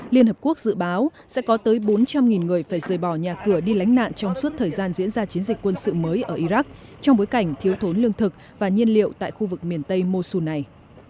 liên hợp quốc dự báo sẽ có tới bốn trăm linh người phải rời bỏ nhà cửa đi lánh nạn trong suốt thời gian diễn ra chiến dịch quân sự mới ở iraq trong bối cảnh thiếu thốn lương thực và nhiên liệu tại khu vực miền tây mosu này